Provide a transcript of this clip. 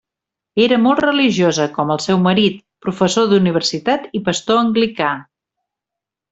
Era molt religiosa, com el seu marit, professor d'universitat i pastor anglicà.